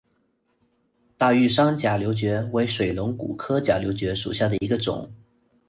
大叶玉山假瘤蕨为水龙骨科假瘤蕨属下的一个种。